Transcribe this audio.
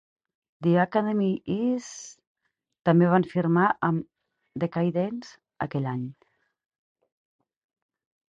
The Academy Is... també van firmar amb Decaydance aquell any.